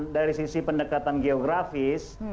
dari sisi pendekatan geografis